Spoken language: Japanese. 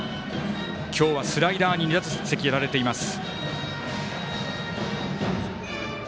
今日はスライダーに２打席やられています。